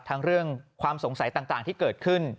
เรื่องความสงสัยต่างที่เกิดขึ้น